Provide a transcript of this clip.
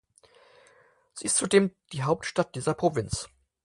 Sie ist zudem die Hauptstadt dieser Provinz.